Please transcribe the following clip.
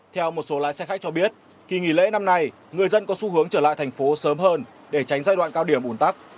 theo một số lái xe khách cho biết kỳ nghỉ lễ năm nay người dân có xu hướng trở lại thành phố sớm hơn để tránh giai đoạn cao điểm ủn tắc